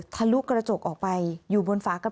ทะลุกระจกออกไปอยู่บนฝากระ